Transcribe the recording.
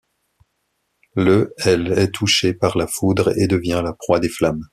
Le elle est touchée par la foudre et devient la proie des flammes.